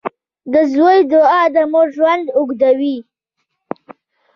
• د زوی دعا د مور ژوند اوږدوي.